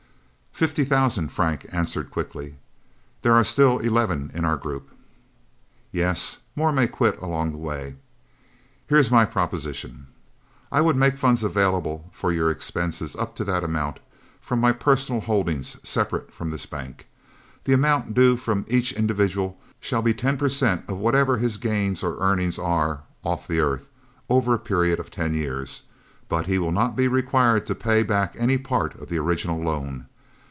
"Fifty thousand," Frank answered quickly. "There are still eleven in our group." "Yes... More may quit along the way... Here is my proposition: I would make funds available for your expenses up to that amount from my personal holdings, separate from this bank. The amount due from each individual shall be ten percent of whatever his gains or earnings are, off the Earth, over a period of ten years, but he will not be required to pay back any part of the original loan.